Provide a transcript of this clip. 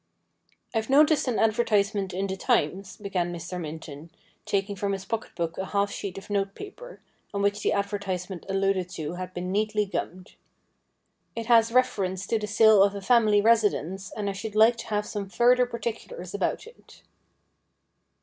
' I've noticed an advertisement in the Times,' began Mr. Minton, taking from his pocket book a half sheet of note paper, on which the advertisement alluded to had been neatly gummed. ' It has reference to the sale of a family residence, and I should like to have some further particulars about it.'